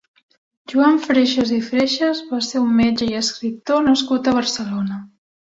Joan Freixas i Freixas va ser un metge i escriptor nascut a Barcelona.